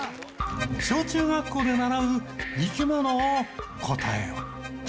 小中学校で習う生き物を答えよ。